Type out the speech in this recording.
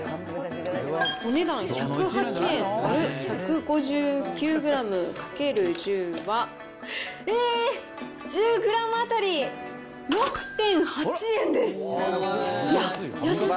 お値段１０８円÷１５９グラム×１０は、えー、１０グラム当たり６．８円です。